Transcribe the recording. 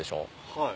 はい。